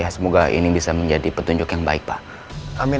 semoga ini bisa menjadi petunjuk yang baik pak